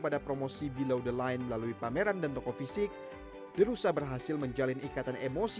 pada promosi below the line melalui pameran dan toko fisik derusa berhasil menjalin ikatan emosi